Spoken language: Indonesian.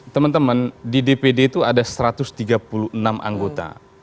teman teman di dpd itu ada satu ratus tiga puluh enam anggota